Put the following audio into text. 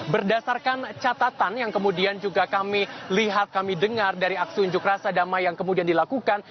berdasarkan catatan yang kemudian juga kami lihat kami dengar dari aksi unjuk rasa damai yang kemudian dilakukan